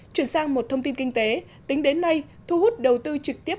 chuyển sang một thông tin kinh tế tính đến nay thu hút đầu tư trực tiếp